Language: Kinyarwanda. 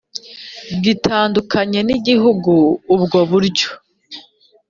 Gitandukanye n igihugu ubwo buryo